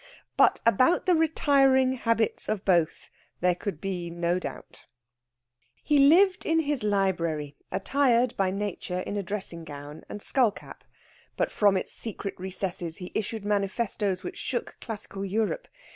But about the retiring habits of both there could be no doubt. He lived in his library, attired by nature in a dressing gown and skull cap. But from its secret recesses he issued manifestoes which shook classical Europe.